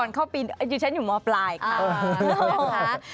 ก่อนเข้าปีฉันอยู่มปลายค่ะ